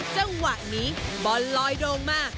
จังหวะนี้บอลลอยโดงมา